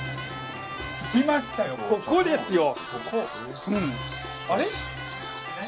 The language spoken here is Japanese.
着きましたよ、ここですよ。